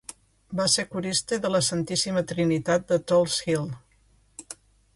Va ser corista de la Santíssima Trinitat de Tulse Hill.